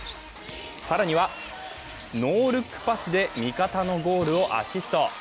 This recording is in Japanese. さらには、ノールックパスで味方のゴールをアシスト。